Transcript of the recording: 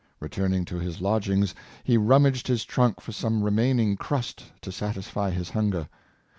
Returning to his lodgings, he rummaged his trunk for some remaining crust to satisfy his hunger.